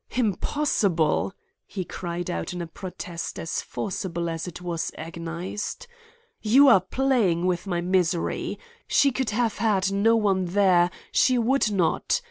"Impossible!" he cried out in a protest as forcible as it was agonized. "You are playing with my misery. She could have had no one there; she would not.